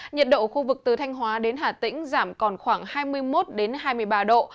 nhiệt độ khu vực từ thanh hóa đến hà tĩnh giảm còn khoảng hai mươi một hai mươi ba độ